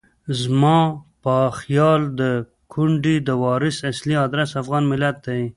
زما په خیال د کونډې د وراثت اصلي ادرس افغان ملت دی.